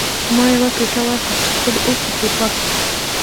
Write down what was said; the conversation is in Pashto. ما یو ټوټه ورکړه چې خپلې اوښکې پرې پاکې کړي